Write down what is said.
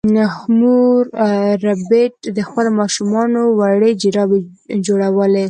مور ربیټ د خپلو ماشومانو لپاره وړې جرابې جوړولې